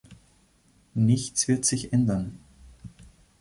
Nichts wird sich ändern.